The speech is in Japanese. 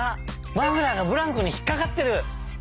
マフラーがブランコにひっかかってる！